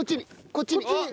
こっちに？